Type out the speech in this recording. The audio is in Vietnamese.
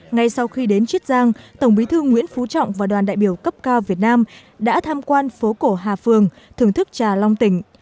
ngay sau khi đến chiết giang tổng bí thư nguyễn phú trọng và đoàn đại biểu cấp cao việt nam đã tham quan phố cổ hà phường thưởng thức trà long tỉnh